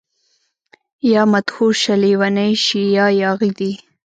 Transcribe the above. يا مدهوشه، لیونۍ شي يا ياغي دي